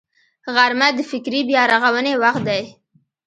غرمه د فکري بیا رغونې وخت دی